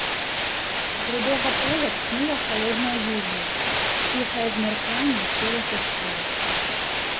З рудога поля тхнула халодная вільгаць, ціхае змярканне чулася скрозь.